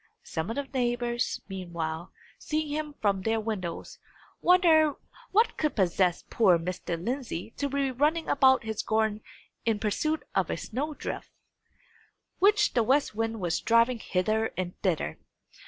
Some of the neighbours, meanwhile, seeing him from their windows, wondered what could possess poor Mr. Lindsey to be running about his garden in pursuit of a snow drift, which the west wind was driving hither and thither!